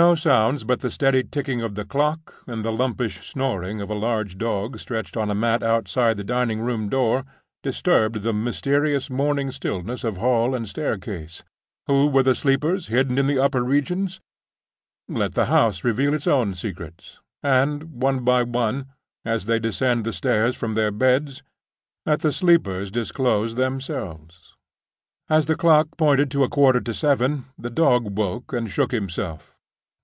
No sounds but the steady ticking of the clock, and the lumpish snoring of a large dog stretched on a mat outside the dining room door, disturbed the mysterious morning stillness of hall and staircase. Who were the sleepers hidden in the upper regions? Let the house reveal its own secrets; and, one by one, as they descend the stairs from their beds, let the sleepers disclose themselves. As the clock pointed to a quarter to seven, the dog woke and shook himself.